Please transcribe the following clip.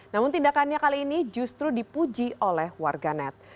namun tindakannya kali ini justru dipuji oleh warga net